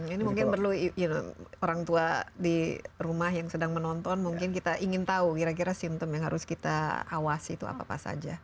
ini mungkin perlu orang tua di rumah yang sedang menonton mungkin kita ingin tahu kira kira simptom yang harus kita awasi itu apa apa saja